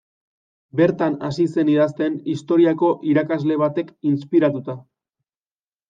Bertan hasi zen idazten historiako irakasle batek inspiratuta.